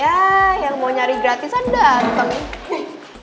yay yang mau nyari gratisan dateng nih